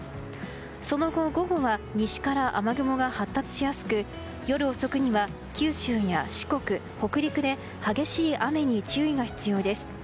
その後、午後は西から雨雲が発達しやすく夜遅くには九州や四国、北陸で激しい雨に注意が必要です。